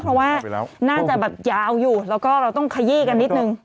เพราะว่าน่าจะแบบยาวอยู่แล้วก็เราต้องขยี้กันนิดนึง